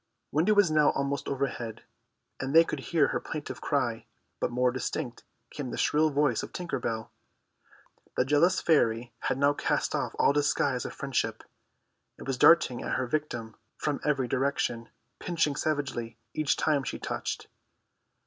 Wendy was now almost overhead, and they could hear her plaintive cry. But more distinct came the shrill voice of Tinker Bell. The jealous fairy had now cast off all disguise of friendship, and was darting at her victim from every direction, pinching savagely each time she touched.